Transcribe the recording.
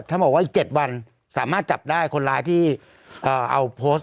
ถ้าบอกว่าอีก๗วันสามารถจับได้คนร้ายที่เอาโพสต์